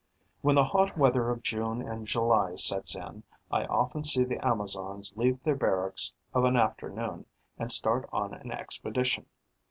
When the hot weather of June and July sets in, I often see the Amazons leave their barracks of an afternoon and start on an expedition.